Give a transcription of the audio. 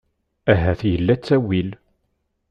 Ahat yella ttawil.